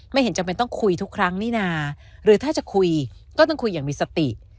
ไม่เห็นจำเป็นต้องคุยทุกครั้งนี่นะหรือถ้าจะคุยก็ต้องคุยอย่างมีสติ